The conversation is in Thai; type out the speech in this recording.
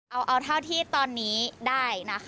เอาเท่าที่ตอนนี้ได้นะคะ